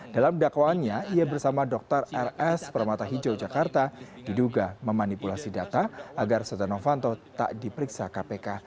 dalam dakwaannya ia bersama dr rs permata hijau jakarta diduga memanipulasi data agar setanofanto tak diperiksa kpk